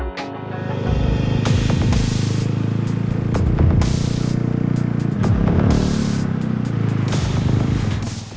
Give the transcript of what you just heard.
tunggu gue ya put